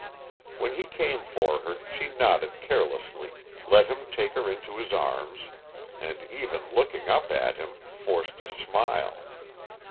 When he came for her she nodded carelessly, let him take her into his arms, and even looking up at him, forced a smile.